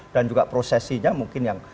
dan juga prosesinya mungkin yang